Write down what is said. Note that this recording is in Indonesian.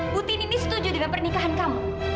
putin ini setuju dengan pernikahan kamu